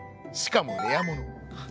しかもレアもの。